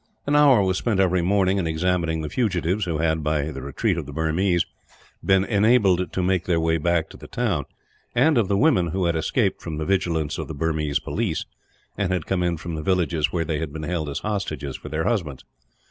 An hour was spent, every morning, in examining the fugitives who had, by the retreat of the Burmese, been enabled to make their way back to the town; and of women who had escaped from the vigilance of the Burmese police, and had come in from the villages where they had been held as hostages for their husbands.